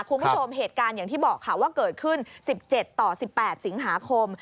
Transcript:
คุณผู้ชมเหตุการณ์อย่างที่บอกค่ะว่าเกิดขึ้น๑๗ต่อ๑๘สิงหาคม